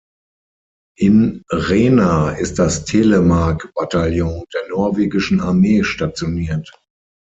In Rena ist das Telemark-Bataillon der norwegischen Armee stationiert.